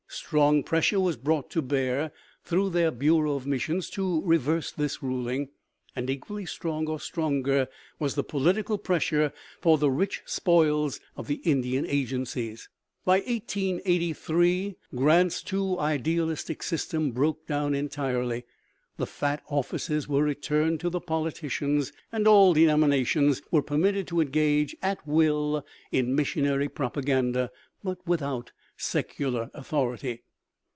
Strong pressure was brought to bear through their Bureau of Missions to reverse this ruling; and equally strong, or stronger, was the political pressure for the rich spoils of the Indian agencies. By 1883 Grant's too idealistic system broke down entirely, the fat offices were returned to the politicians, and all denominations were permitted to engage at will in missionary propaganda, but without secular authority.